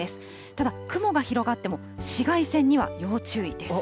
ただ、雲が広がっても紫外線には要注意です。